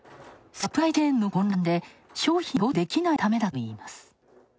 サプライチェーンの混乱で商品が調達できないためだといいます。